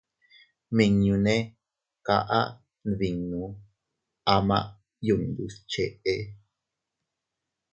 Nmiñune kaʼa nbinnu ama yundus cheʼe.